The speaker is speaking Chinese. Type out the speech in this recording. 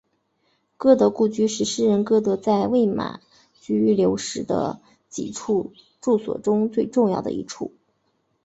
歌德故居是诗人歌德在魏玛居留时的几处住所中最重要的一处。